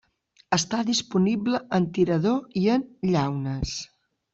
Està disponible en tirador i en llaunes.